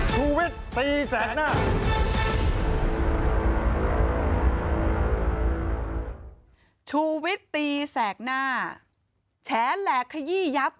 ชูวิทตีแสกหน้าแฉลกขยี้ยับ